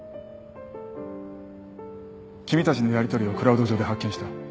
君たちのやり取りをクラウド上で発見した。